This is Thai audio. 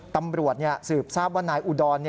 ตำรวจสืบทราบว่านายอุดร